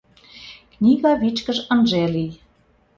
Книга вичкыж ынже лий.